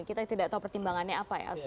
kita tidak tahu pertimbangannya apa ya